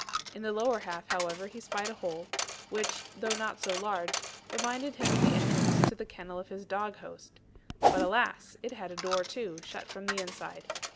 In the lower half, however, he spied a hole, which, though not so large, reminded him of the entrance to the kennel of his dog host; but alas! it had a door too, shut from the inside.